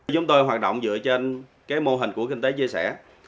chúng tôi hoạt động dựa trên mô hình của kinh tế chia sẻ